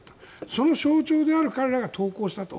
その象徴である彼らが投降したと。